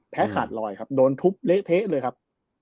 ขาดลอยครับโดนทุบเละเทะเลยครับ